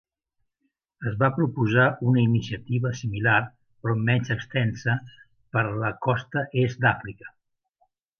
Es va proposar una iniciativa similar però menys extensa per la costa est d'Àfrica.